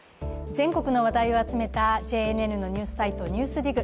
全国の話題を集めたＪＮＮのニュースサイト、「ＮＥＷＳＤＩＧ」